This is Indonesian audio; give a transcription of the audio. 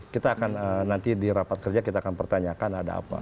kita akan nanti di rapat kerja kita akan pertanyakan ada apa